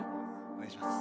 お願いします。